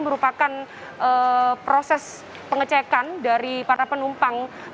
sejak tahun dua ribu dua puluh penumpang yang telah mengalami penumpang yang terkena covid sembilan belas